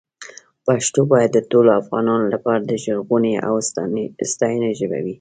پښتو باید د ټولو افغانانو لپاره د ژغورنې او ساتنې ژبه وي.